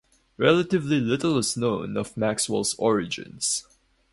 Relatively little is known of Maxwell’s origins.